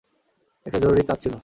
একটা জরুরি কাজ ছিল।